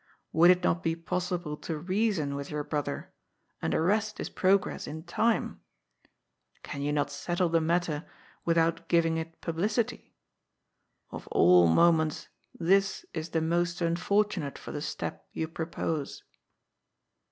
Would it not be possible to reason with your brother, and arrest his prog ress in time ? Can you not settle the matter without giving it publicity ? Of iJl moments this is the most unfortu nate for the step you propose."